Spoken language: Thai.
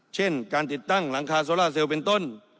เช่นการติดตั้งหลังคาโซล่าเซลล์เป็นต้น